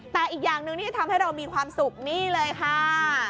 แต่อีกอย่างหนึ่งที่จะทำให้เรามีความสุขนี่เลยค่ะ